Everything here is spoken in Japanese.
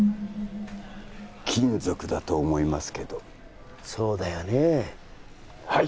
金属だと思いますけどそうだよねはい！